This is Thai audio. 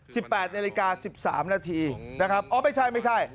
๑๘นาฬิกา๑๓นาทีนะครับอ๋อไม่ใช่